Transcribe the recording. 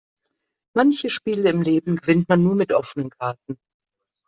Manche Spiele im Leben gewinnt man nur mit offenen Karten.